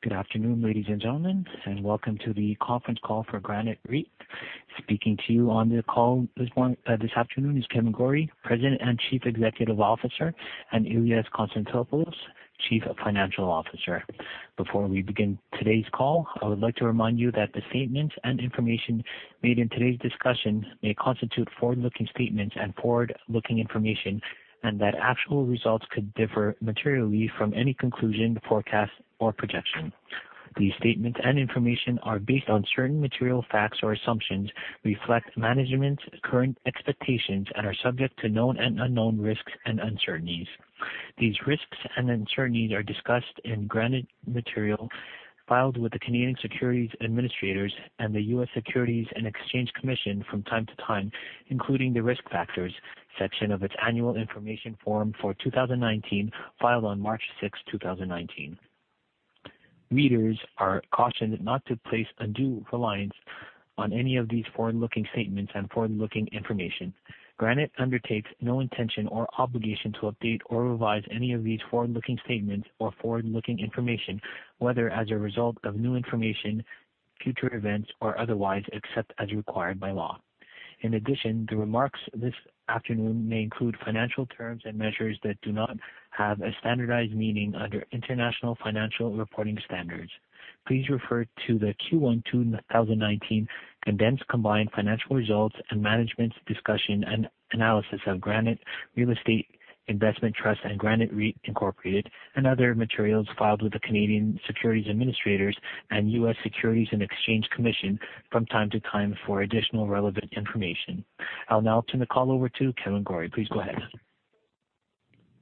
Good afternoon, ladies and gentlemen, and welcome to the conference call for Granite REIT. Speaking to you on the call this afternoon is Kevan Gorrie, President and Chief Executive Officer, and Ilias Konstantopoulos, Chief Financial Officer. Before we begin today's call, I would like to remind you that the statements and information made in today's discussion may constitute forward-looking statements and forward-looking information, and that actual results could differ materially from any conclusion, forecast, or projection. These statements and information are based on certain material facts or assumptions, reflect management's current expectations and are subject to known and unknown risks and uncertainties. These risks and uncertainties are discussed in Granite material filed with the Canadian Securities Administrators and the U.S. Securities and Exchange Commission from time to time, including the Risk Factors section of its annual information form for 2019, filed on March 6, 2019. Readers are cautioned not to place undue reliance on any of these forward-looking statements and forward-looking information. Granite undertakes no intention or obligation to update or revise any of these forward-looking statements or forward-looking information, whether as a result of new information, future events, or otherwise, except as required by law. In addition, the remarks this afternoon may include financial terms and measures that do not have a standardized meaning under International Financial Reporting Standards. Please refer to the Q1 2019 condensed combined financial results and management's discussion and analysis of Granite Real Estate Investment Trust and Granite REIT Inc. and other materials filed with the Canadian Securities Administrators and U.S. Securities and Exchange Commission from time to time for additional relevant information. I'll now turn the call over to Kevan Gorrie. Please go ahead.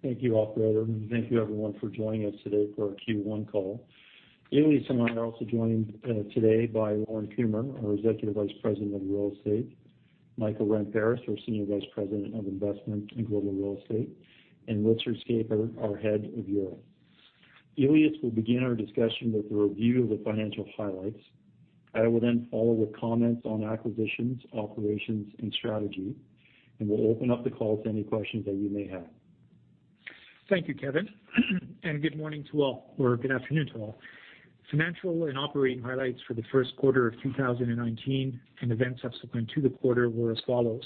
Thank you, operator. And thank you, everyone, for joining us today for our Q1 call. Ilias and I are also joined today by Warren Coomer, our Executive Vice President of Real Estate, Michael Ramparas, our Senior Vice President of Investment in Global Real Estate, and Richard Schaper, our Head of Europe. Ilias will begin our discussion with a review of the financial highlights. I will then follow with comments on acquisitions, operations, and strategy, and we'll open up the call to any questions that you may have. Thank you, Kevan. And good morning to all, or good afternoon to all. Financial and operating highlights for the first quarter of 2019 and events subsequent to the quarter were as follows.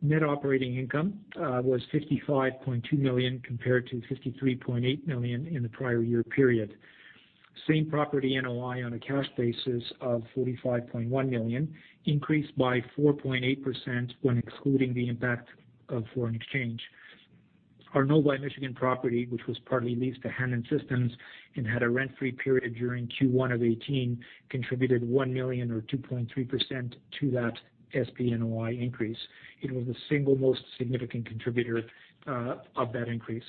Net operating income was 55.2 million compared to 53.8 million in the prior year period. Same property NOI on a cash basis of 45.1 million increased by 4.8% when excluding the impact of foreign exchange. Our Novi, Michigan property, which was partly leased to Hanon Systems and had a rent-free period during Q1 of 2018, contributed 1 million or 2.3% to that SP NOI increase. It was the single most significant contributor of that increase.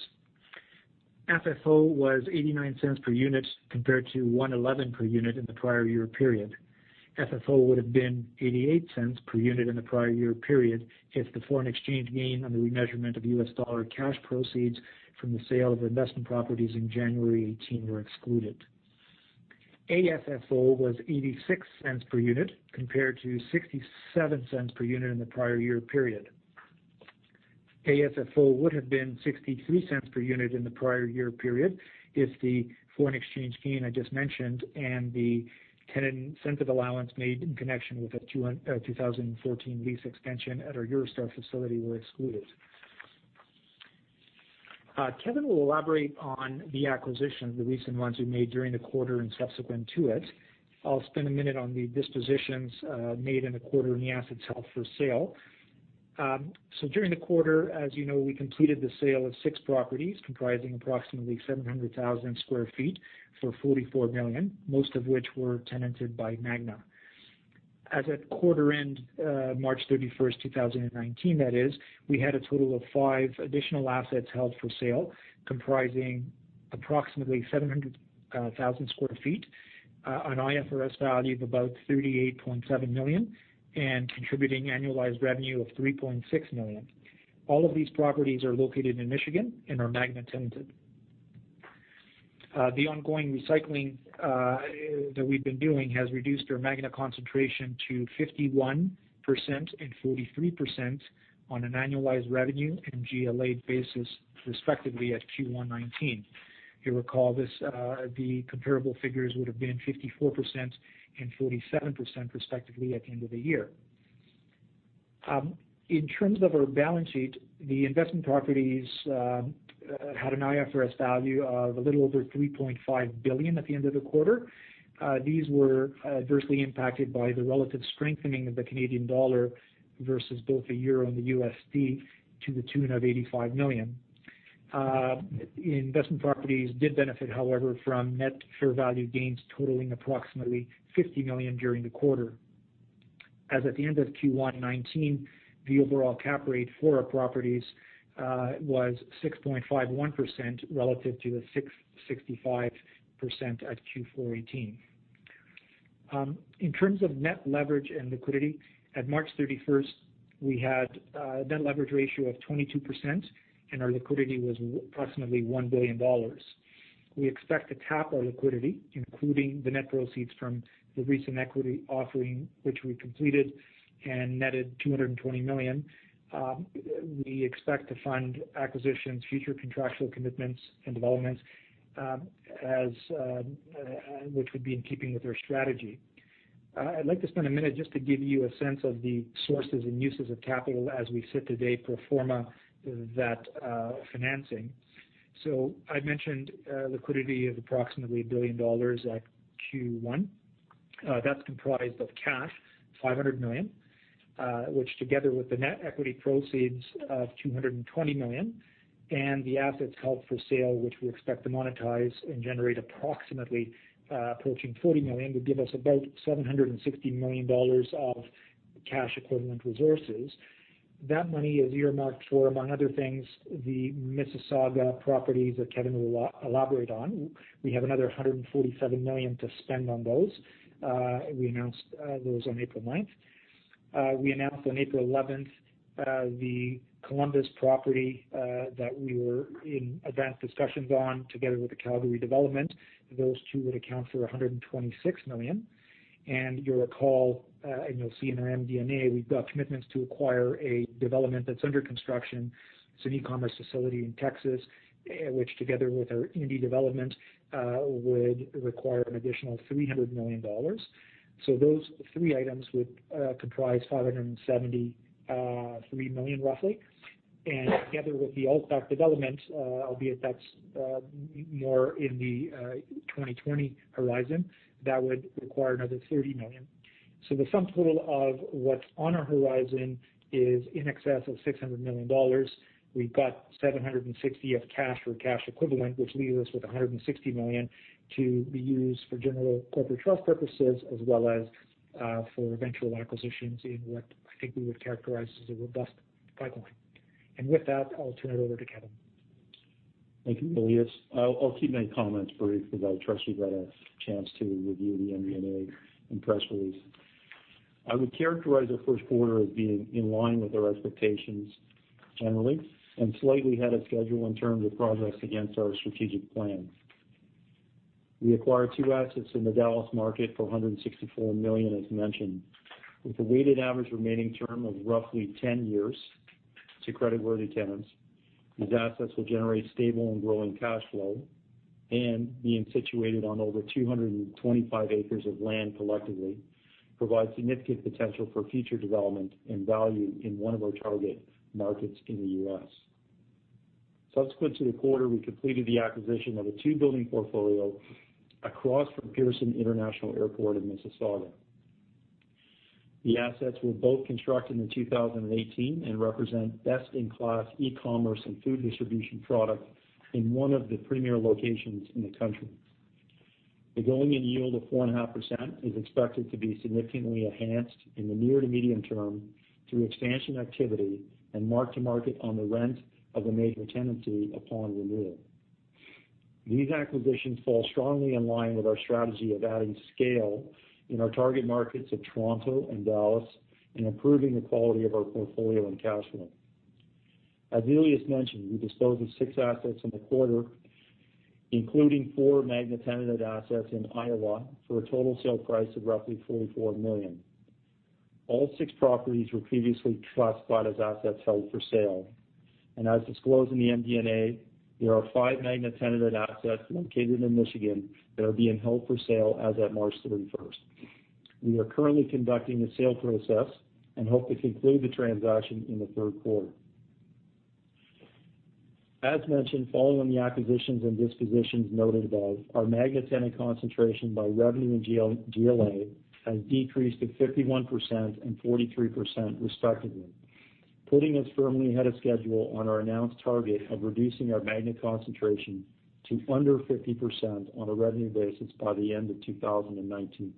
FFO was 0.89 per unit compared to 1.11 per unit in the prior year period. FFO would have been 0.88 per unit in the prior year period if the foreign exchange gain on the remeasurement of U.S. dollar cash proceeds from the sale of investment properties in January 2018 were excluded. AFFO was 0.86 per unit compared to 0.67 per unit in the prior year period. AFFO would have been 0.63 per unit in the prior year period if the foreign exchange gain I just mentioned and the tenant incentive allowance made in connection with the 2014 lease extension at our Eurostar facility were excluded. Kevan will elaborate on the acquisition of the recent ones we made during the quarter and subsequent to it. I'll spend a minute on the dispositions made in the quarter and the assets held for sale. During the quarter, as you know, we completed the sale of six properties comprising approximately 700,000 sq ft for 44 million, most of which were tenanted by Magna. As at quarter end, March 31, 2019, that is, we had a total of five additional assets held for sale comprising approximately 700,000 sq ft, an IFRS value of about 38.7 million, and contributing annualized revenue of 3.6 million. All of these properties are located in Michigan and are Magna-tenanted. The ongoing recycling that we've been doing has reduced our Magna concentration to 51% and 43% on an annualized revenue and GLA basis, respectively, at Q1 2019. You recall this, the comparable figures would have been 54% and 47%, respectively, at the end of the year. In terms of our balance sheet, the investment properties had an IFRS value of a little over 3.5 billion at the end of the quarter. These were adversely impacted by the relative strengthening of the Canadian dollar versus both the EUR and the USD to the tune of 85 million. Investment properties did benefit, however, from net fair value gains totaling approximately 50 million during the quarter. As at the end of Q1 2019, the overall cap rate for our properties was 6.51% relative to the 6.65% at Q4 2018. In terms of net leverage and liquidity, at March 31st, we had a net leverage ratio of 22%, and our liquidity was approximately 1 billion dollars. We expect to tap our liquidity, including the net proceeds from the recent equity offering, which we completed and netted 220 million. We expect to fund acquisitions, future contractual commitments, and developments, which would be in keeping with our strategy. I'd like to spend a minute just to give you a sense of the sources and uses of capital as we sit today pro forma that financing. I mentioned liquidity of approximately 1 billion dollars at Q1. That's comprised of cash, 500 million, which together with the net equity proceeds of 220 million and the assets held for sale, which we expect to monetize and generate approximately approaching 40 million, would give us about 760 million dollars of cash equivalent resources. That money is earmarked for, among other things, the Mississauga properties that Kevan will elaborate on. We have another 147 million to spend on those. We announced those on April 9. We announced on April 11 the Columbus property that we were in advanced discussions on together with the Calgary development. Those two would account for 126 million. You'll recall, and you'll see in our MD&A, we've got commitments to acquire a development that's under construction. It's an e-commerce facility in Texas, which together with our Indy development, would require an additional 300 million dollars. Those three items would comprise 573 million roughly. Together with the Altbach development, albeit that's more in the 2020 horizon, that would require another 30 million. The sum total of what's on our horizon is in excess of 600 million dollars. We've got 760 million of cash or cash equivalent, which leaves us with 160 million to be used for general corporate trust purposes as well as for eventual acquisitions in what I think we would characterize as a robust pipeline. With that, I'll turn it over to Kevan. Thank you, Ilias. I'll keep my comments brief because I trust you've had a chance to review the MD&A and press release. I would characterize the first quarter as being in line with our expectations generally, and slightly ahead of schedule in terms of progress against our strategic plan. We acquired two assets in the Dallas market for 164 million, as mentioned. With a weighted average remaining term of roughly 10 years to creditworthy tenants, these assets will generate stable and growing cash flow, and being situated on over 225 acres of land collectively, provide significant potential for future development and value in one of our target markets in the U.S. Subsequent to the quarter, we completed the acquisition of a two-building portfolio across from Pearson International Airport in Mississauga. The assets were both constructed in 2018 and represent best-in-class e-commerce and food distribution product in one of the premier locations in the country. The going-in yield of 4.5% is expected to be significantly enhanced in the near to medium term through expansion activity and mark to market on the rent of a major tenancy upon renewal. These acquisitions fall strongly in line with our strategy of adding scale in our target markets of Toronto and Dallas and improving the quality of our portfolio and cash flow. As Ilias mentioned, we disposed of six assets in the quarter, including four Magna tenanted assets in Iowa, for a total sale price of roughly 44 million. All six properties were previously classified as assets held for sale. As disclosed in the MD&A, there are five Magna tenanted assets located in Michigan that are being held for sale as at March 31st. We are currently conducting a sale process and hope to conclude the transaction in the third quarter. As mentioned, following the acquisitions and dispositions noted above, our Magna tenant concentration by revenue and GLA has decreased to 51% and 43% respectively, putting us firmly ahead of schedule on our announced target of reducing our Magna concentration to under 50% on a revenue basis by the end of 2019.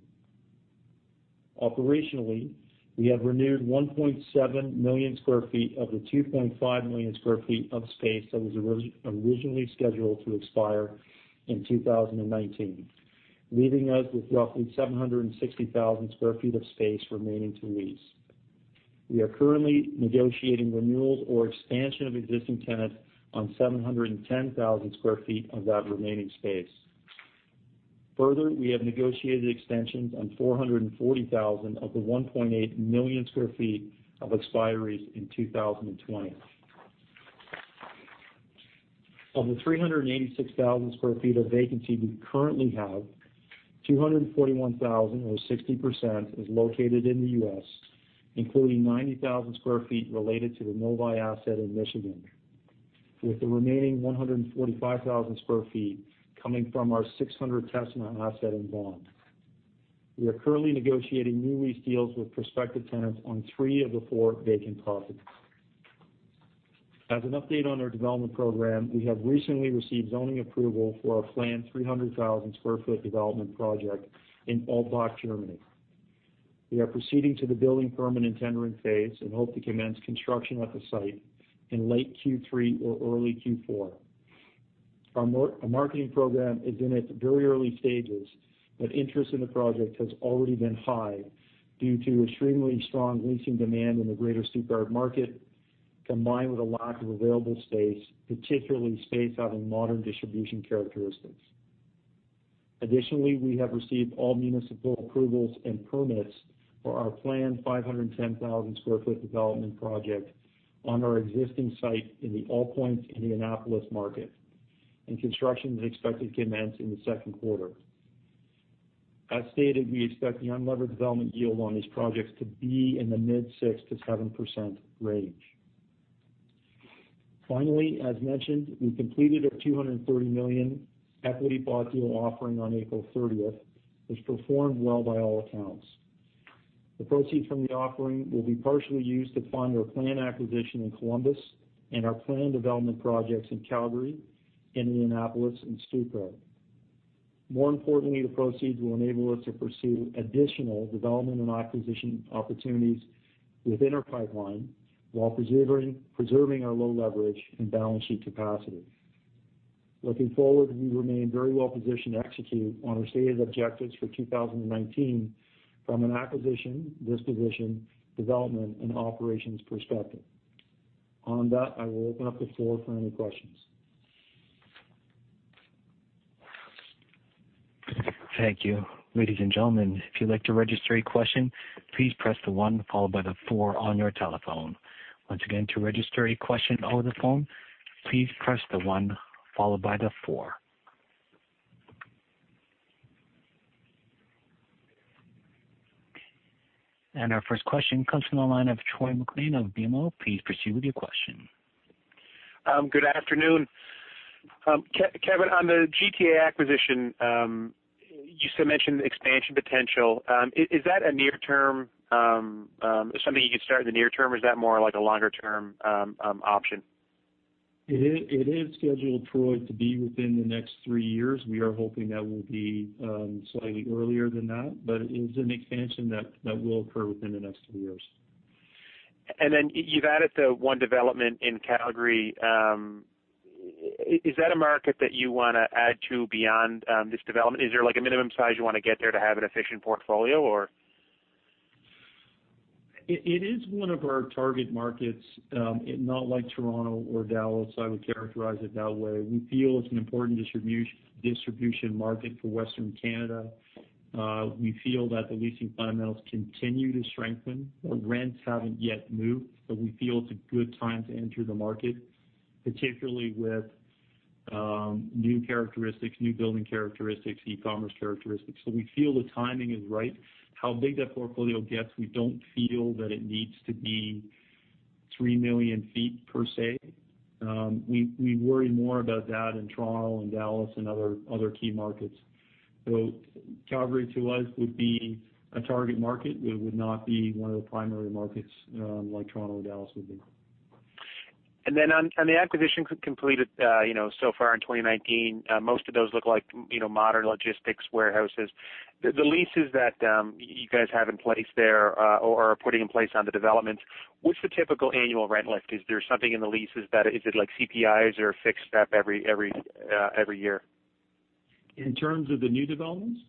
Operationally, we have renewed 1.7 million sq ft of the 2.5 million sq ft of space that was originally scheduled to expire in 2019, leaving us with roughly 760,000 sq ft of space remaining to lease. We are currently negotiating renewals or expansion of existing tenants on 710,000 sq ft of that remaining space. Further, we have negotiated extensions on 440,000 sq ft of the 1.8 million sq ft of expiries in 2020. Of the 386,000 square feet of vacancy we currently have, 241,000 or 60% is located in the U.S., including 90,000 square feet related to the Novi asset in Michigan, with the remaining 145,000 square feet coming from our 600 Tesson asset in Vaughan. We are currently negotiating new lease deals with prospective tenants on three of the four vacant properties. As an update on our development program, we have recently received zoning approval for our planned 300,000 square foot development project in Altbach, Germany. We are proceeding to the building permit and tendering phase and hope to commence construction at the site in late Q3 or early Q4. Our marketing program is in its very early stages, but interest in the project has already been high due to extremely strong leasing demand in the greater Stuttgart market, combined with a lack of available space, particularly space having modern distribution characteristics. Additionally, we have received all municipal approvals and permits for our planned 510,000 square foot development project on our existing site in the AllPoints Indianapolis market. Construction is expected to commence in the second quarter. As stated, we expect the unlevered development yield on these projects to be in the mid 6%-7% range. Finally, as mentioned, we completed our 230 million equity bought deal offering on April 30th, which performed well by all accounts. The proceeds from the offering will be partially used to fund our planned acquisition in Columbus and our planned development projects in Calgary, Indianapolis, and St. Louis. More importantly, the proceeds will enable us to pursue additional development and acquisition opportunities within our pipeline while preserving our low leverage and balance sheet capacity. Looking forward, we remain very well positioned to execute on our stated objectives for 2019 from an acquisition, disposition, development, and operations perspective. On that, I will open up the floor for any questions. Thank you. Ladies and gentlemen, if you'd like to register a question, please press the one followed by the four on your telephone. Once again, to register a question over the phone, please press the one followed by the four. Our first question comes from the line of Troy MacLean of BMO. Please proceed with your question. Good afternoon. Kevan, on the GTA acquisition, you mentioned expansion potential. Is that a near term something you could start in the near term, or is that more like a longer-term option? It is scheduled, Troy, to be within the next three years. We are hoping that will be slightly earlier than that, it is an expansion that will occur within the next three years. You've added the one development in Calgary. Is that a market that you want to add to beyond this development? Is there a minimum size you want to get there to have an efficient portfolio or? It is one of our target markets, not like Toronto or Dallas, I would characterize it that way. We feel it's an important distribution market for Western Canada. We feel that the leasing fundamentals continue to strengthen. The rents haven't yet moved, we feel it's a good time to enter the market, particularly with new building characteristics, e-commerce characteristics. We feel the timing is right. How big that portfolio gets, we don't feel that it needs to be 3 million ft per se. We worry more about that in Toronto and Dallas and other key markets. Calgary to us would be a target market, it would not be one of the primary markets, like Toronto and Dallas would be. On the acquisitions completed so far in 2019, most of those look like modern logistics warehouses. The leases that you guys have in place there, or are putting in place on the developments, what's the typical annual rent lift? Is there something in the leases that, is it like CPIs or a fixed step every year? In terms of the new developments?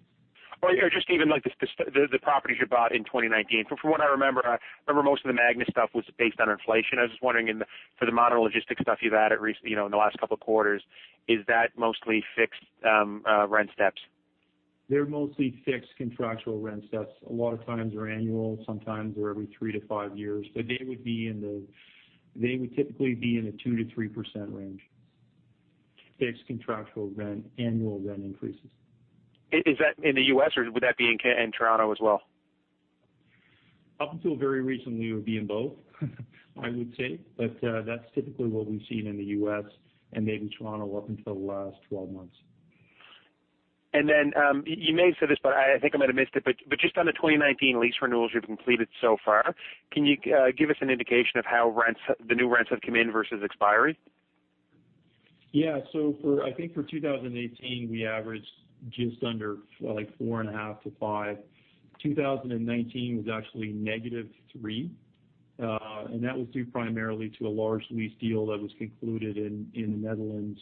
Just even the properties you bought in 2019. From what I remember, most of the Magna stuff was based on inflation. I was just wondering for the modern logistics stuff you've added in the last couple of quarters, is that mostly fixed rent steps? They're mostly fixed contractual rent steps. A lot of times they're annual, sometimes they're every three to five years, but they would typically be in the 2%-3% range. Fixed contractual rent, annual rent increases. Is that in the U.S., or would that be in Toronto as well? Up until very recently, it would be in both, I would say. That's typically what we've seen in the U.S. and maybe Toronto up until the last 12 months. You may have said this, but I think I might have missed it, but just on the 2019 lease renewals you've completed so far, can you give us an indication of how the new rents have come in versus expiry? Yeah. I think for 2018, we averaged just under 4.5%-5%. 2019 was actually -3%, and that was due primarily to a large lease deal that was concluded in the Netherlands,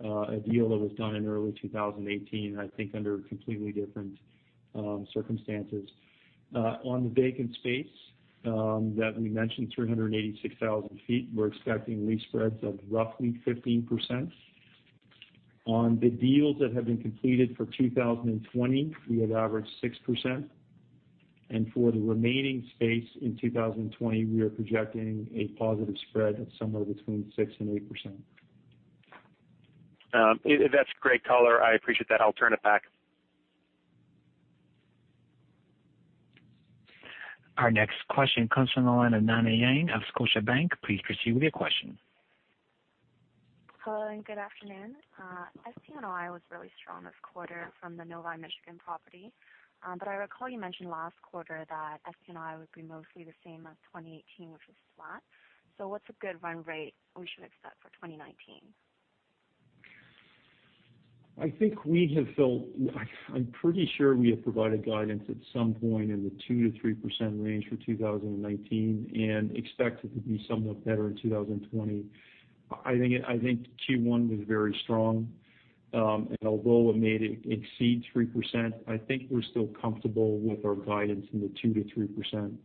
a deal that was done in early 2018, I think under completely different circumstances. On the vacant space that we mentioned, 386,000 sq ft, we're expecting lease spreads of roughly 15%. On the deals that have been completed for 2020, we have averaged 6%, and for the remaining space in 2020, we are projecting a positive spread of somewhere between 6% and 8%. That's great color. I appreciate that. I'll turn it back. Our next question comes from the line of Nana Yang of Scotiabank. Please proceed with your question. Hello and good afternoon. FP&I was really strong this quarter from the Novi, Michigan property. I recall you mentioned last quarter that FP&I would be mostly the same as 2018, which was flat. What's a good run rate we should expect for 2019? I'm pretty sure we have provided guidance at some point in the 2%-3% range for 2019 and expect it to be somewhat better in 2020. I think Q1 was very strong. Although it made it exceed 3%, I think we're still comfortable with our guidance in the 2%-3%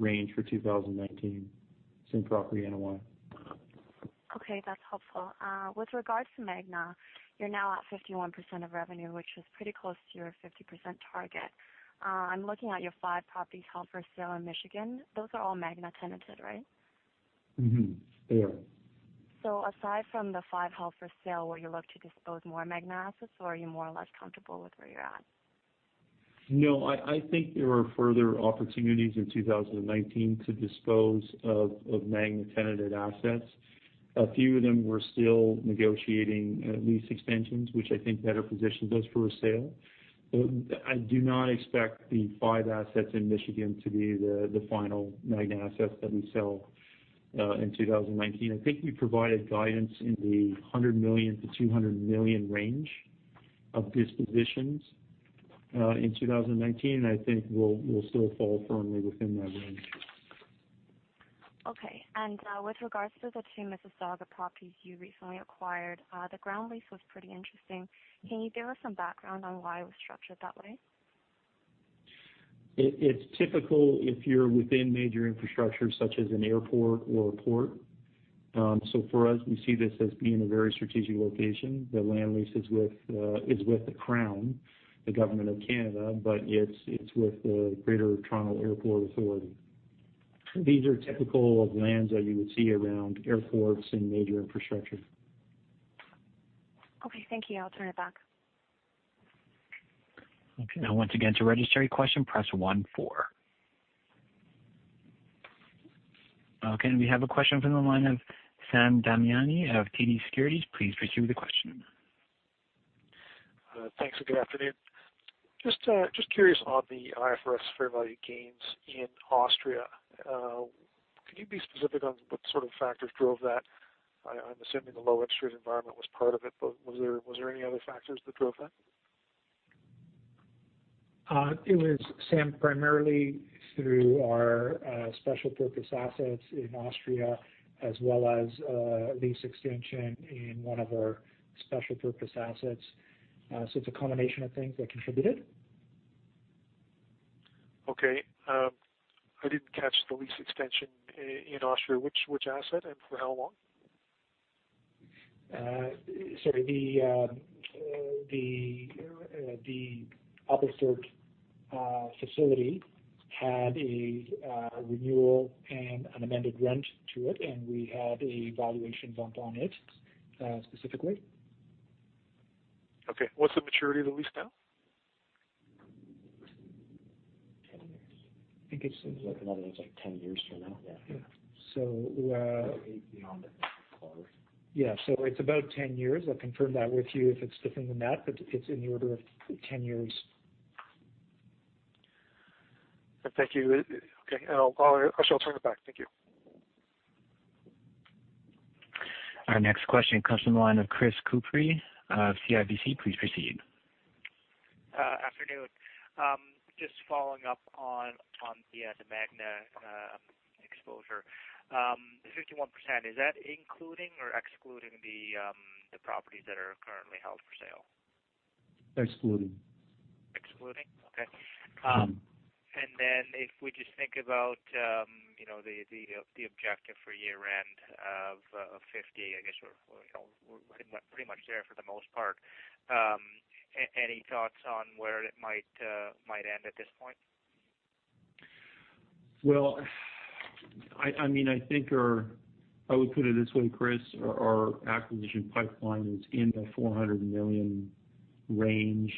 range for 2019 same property NOI. Okay, that's helpful. With regards to Magna, you're now at 51% of revenue, which is pretty close to your 50% target. I'm looking at your five properties held for sale in Michigan. Those are all Magna tenanted, right? Mm-hmm. They are. Aside from the five held for sale, will you look to dispose more Magna assets, or are you more or less comfortable with where you're at? No, I think there were further opportunities in 2019 to dispose of Magna tenanted assets. A few of them were still negotiating lease extensions, which I think better positioned us for a sale. I do not expect the five assets in Michigan to be the final Magna assets that we sell in 2019. I think we provided guidance in the 100 million-200 million range of dispositions, in 2019. I think we'll still fall firmly within that range. Okay. With regards to the two Mississauga properties you recently acquired, the ground lease was pretty interesting. Can you give us some background on why it was structured that way? It's typical if you're within major infrastructure, such as an airport or a port. For us, we see this as being a very strategic location. The land lease is with the Crown, the government of Canada, but it's with the Greater Toronto Airports Authority. These are typical of lands that you would see around airports and major infrastructure. Okay, thank you. I'll turn it back. Okay. Once again, to register your question, press one four. Okay, we have a question from the line of Sam Damiani of TD Securities. Please proceed with the question. Thanks, and good afternoon. Just curious on the IFRS fair value gains in Austria. Could you be specific on what sort of factors drove that? I'm assuming the low interest environment was part of it, but was there any other factors that drove that? It was, Sam, primarily through our special purpose assets in Austria, as well as a lease extension in one of our special purpose assets. It's a combination of things that contributed. Okay. I didn't catch the lease extension in Austria, which asset and for how long? Sorry. The Obersteiermark facility had a renewal and an amended rent to it, and we had a valuation bump on it, specifically. Okay. What's the maturity of the lease now? 10 years. I think it's- It's like another ten years from now. Yeah. Yeah. Beyond the cars. Yeah. It's about 10 years. I'll confirm that with you if it's different than that, but it's in the order of 10 years. Thank you. Okay. I'll turn it back. Thank you. Our next question comes from the line of Chris Couprie of CIBC. Please proceed. Afternoon. Just following up on the Magna exposure. 51%, is that including or excluding the properties that are currently held for sale? Excluding. Excluding? Okay. If we just think about the objective for year end of 50%, I guess we're pretty much there for the most part. Any thoughts on where it might end at this point? Well, I would put it this way, Chris. Our acquisition pipeline is in the 400 million range.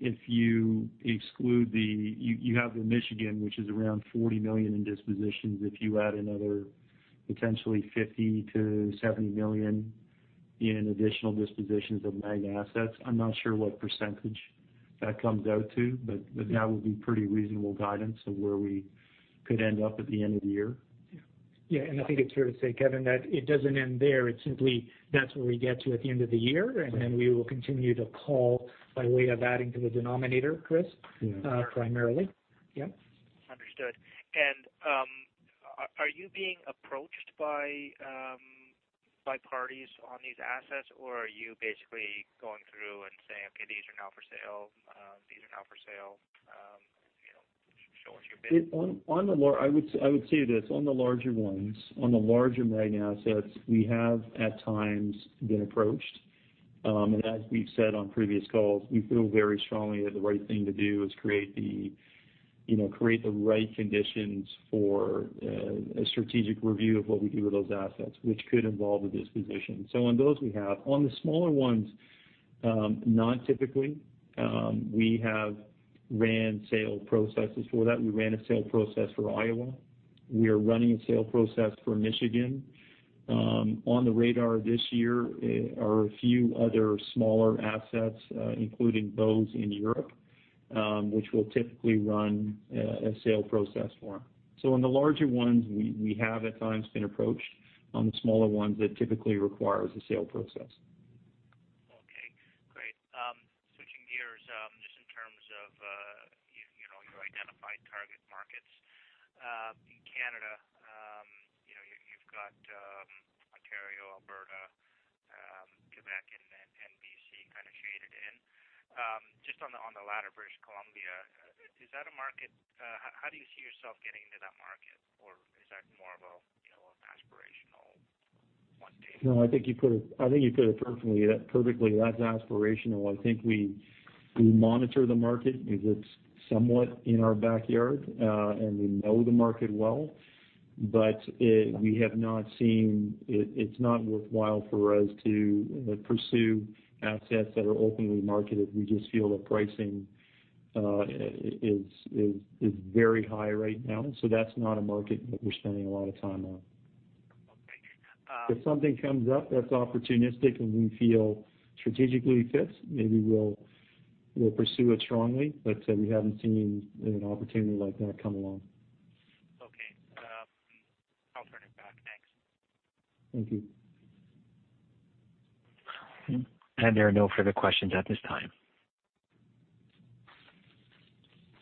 If you exclude the You have the Michigan, which is around 40 million in dispositions. If you add another potentially 50 million-70 million in additional dispositions of Magna assets, I'm not sure what percentage that comes out to, but that would be pretty reasonable guidance of where we could end up at the end of the year. Yeah. I think it's fair to say, Kevan, that it doesn't end there. It's simply that's where we get to at the end of the year, then we will continue to call by way of adding to the denominator, Chris. Yeah primarily. Yeah. Understood. Are you being approached by parties on these assets, or are you basically going through and saying, "Okay, these are now for sale." Show us your bids. I would say this. On the larger ones, on the larger Magna assets, we have, at times, been approached. As we've said on previous calls, we feel very strongly that the right thing to do is create the right conditions for a strategic review of what we do with those assets, which could involve a disposition. On those we have. On the smaller ones, not typically. We have ran sale processes for that. We ran a sale process for Iowa. We are running a sale process for Michigan. On the radar this year are a few other smaller assets, including those in Europe, which we'll typically run a sale process for. On the larger ones, we have, at times, been approached. On the smaller ones, that typically requires a sale process. Okay, great. Switching gears, just in terms of your identified target markets. In Canada, you've got Ontario, Alberta, Quebec, and then BC kind of shaded in. Just on the latter, British Columbia, is that a market? How do you see yourself getting into that market? Or is that more of an aspirational one day? No, I think you put it perfectly. That's aspirational. I think we monitor the market because it's somewhat in our backyard, and we know the market well. It's not worthwhile for us to pursue assets that are openly marketed. We just feel the pricing is very high right now. That's not a market that we're spending a lot of time on. Okay. If something comes up that's opportunistic and we feel strategically fits, maybe we'll pursue it strongly. We haven't seen an opportunity like that come along. Okay. I'll turn it back. Thanks. Thank you. There are no further questions at this time.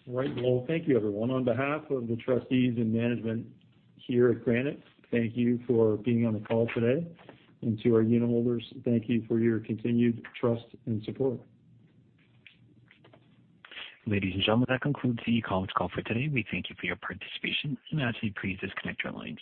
All right. Well, thank you, everyone. On behalf of the trustees and management here at Granite, thank you for being on the call today. To our unitholders, thank you for your continued trust and support. Ladies and gentlemen, that concludes the conference call for today. We thank you for your participation, and I ask that you please disconnect your lines.